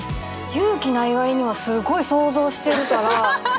勇気ない割にはすごい想像してるから。